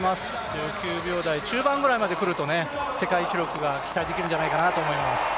１９秒台中盤くらいまでくると世界記録が期待できるんじゃないかと思います。